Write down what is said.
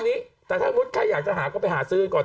ตอนนี้แต่ถ้าใครอยากจะหาก็ไปหาซื้อก่อน